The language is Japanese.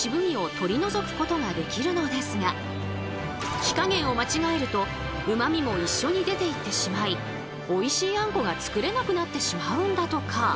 火加減を間違えるとうまみも一緒に出ていってしまいおいしいあんこが作れなくなってしまうんだとか。